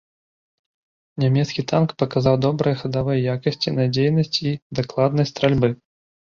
Нямецкі танк паказаў добрыя хадавыя якасці, надзейнасць і дакладнасць стральбы.